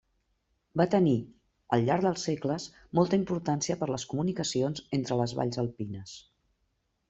Va tenir, al llarg dels segles, molta importància per les comunicacions entre les valls alpines.